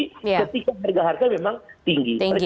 ketika harga harga memang tinggi